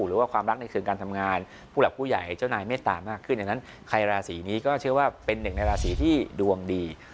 หรือว่าความรักในเครื่องการทำงานผู้หลักผู้ใหญ่เจ้านายเมตตามากขึ้นดังนั้นใครราศีนี้ก็เชื่อว่าเป็นหนึ่งในราศีที่ดวงดี